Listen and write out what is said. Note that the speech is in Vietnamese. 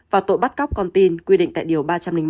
và tội bắt cóc con tin quy định tại điều ba trăm linh một